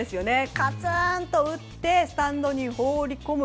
カツンと打ってスタンドに放り込む。